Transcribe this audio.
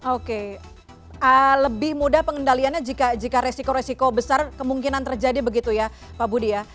oke lebih mudah pengendaliannya jika resiko resiko besar kemungkinan terjadi begitu ya pak budi ya